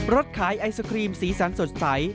ขายไอศครีมสีสันสดใส